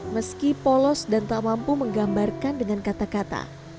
meski polos dan tak mampu menggambarkan dengan kata kata